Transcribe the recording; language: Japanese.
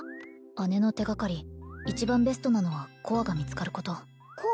姉の手がかり一番ベストなのはコアが見つかることコア？